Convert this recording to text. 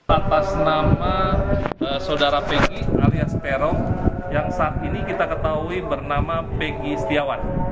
atas nama sodara pegi alias perong yang saat ini kita ketahui bernama pegi setiawan